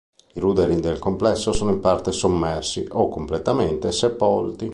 I ruderi del complesso sono in parte sommersi o completamente sepolti.